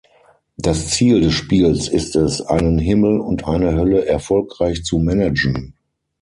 Das Ziel des Spiels ist es, einen Himmel und eine Hölle erfolgreich zu managen.